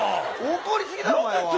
怒りすぎだろお前は。